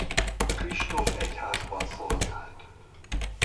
Kristóf egyházban szolgált.